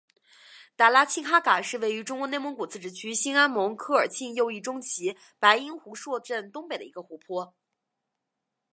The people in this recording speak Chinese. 达拉沁哈嘎是位于中国内蒙古自治区兴安盟科尔沁右翼中旗白音胡硕镇东北的一个湖泊。